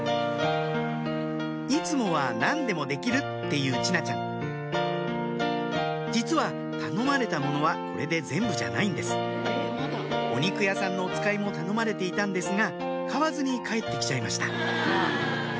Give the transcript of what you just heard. いつもは「何でもできる」って言う智奈ちゃん実は頼まれたものはこれで全部じゃないんですお肉屋さんのおつかいも頼まれていたんですが買わずに帰って来ちゃいました